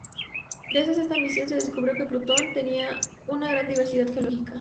Gracias a esta misión se descubrió que Plutón tenía una gran diversidad geológica.